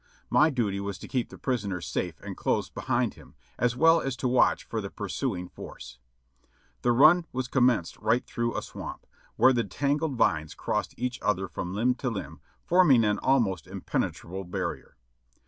My duty was to keep the prisoners safe and close behind him, as well as to watch for the pursuing force. The run was commenced right through a swamp, where the tangled vines crossed each other from limb to limb, forming an almost impenetrable barrier.